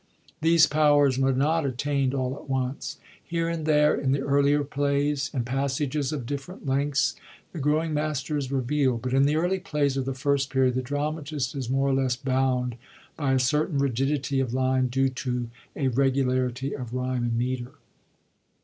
These powers were not attaind all at once : Here and there in the earlier plays, in passages of different lengths, the growing master is reveald; but in the early plays of the First Period the dramatist is more or less bound by a certain rigidity of line due to a regularity of ryme and metre.